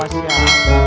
gak seperti siapa sih ma